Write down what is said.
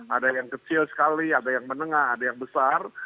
ada yang kecil sekali ada yang menengah ada yang besar